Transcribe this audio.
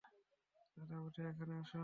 দাদা, উঠে এখানে আসুন।